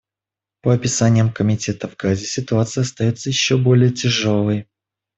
По описаниям Комитета, в Газе ситуация остается еще более тяжелой.